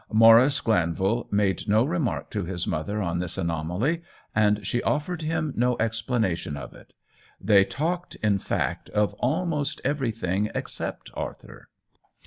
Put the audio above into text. Maurice Glanvil made no remark to his mother on this anomaly, and she offered him no ex planation of it ; they talked in fact of al I THE WHEEL OF TIME 71 most everything except Arthur.